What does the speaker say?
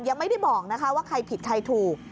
ยังไม่ได้บอกนะคะว่าใครผิดใครถูก